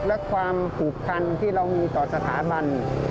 และความผูกพันที่เรามีต่อสถาบัน